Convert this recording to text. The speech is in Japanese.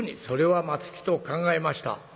「それは松木と考えました。